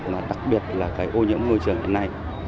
mà đặc biệt là cái ô nhiễm môi trường hiện nay